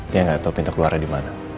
dia gak tau pintu keluarnya dimana